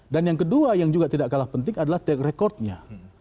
dan yang kedua yang juga tidak kalah penting adalah tek rekodnya